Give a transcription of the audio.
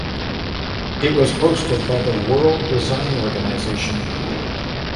It was hosted by the World Design Organization.